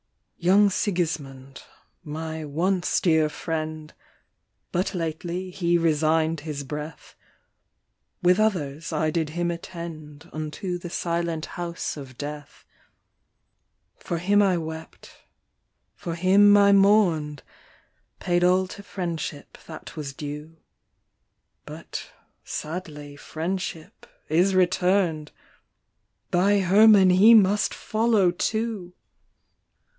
11 Young Sigisuiund, my once dear friend. But lately he resign'd his breath; With others I did hi no attend Unto the silent house of death. " For him I wept, for him I mourn'd, Paid all to friendship that was due ; But sadly friendship is return' d, Thy Herman he must follow too!